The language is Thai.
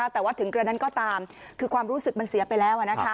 แต่ว่าถึงกระนั้นก็ตามคือความรู้สึกมันเสียไปแล้ว